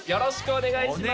お願いします